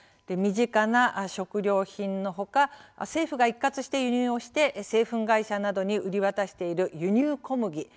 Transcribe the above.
身近な食料品のほか政府が一括して輸入をして製粉会社などに売り渡している輸入小麦。